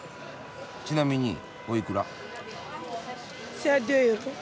ちなみにおいくら？